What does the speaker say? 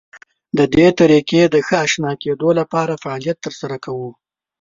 د دې طریقې د ښه اشنا کېدو لپاره فعالیت تر سره کوو.